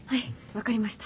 分かりました。